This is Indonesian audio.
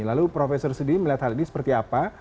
lalu profesor sendiri melihat hal ini seperti apa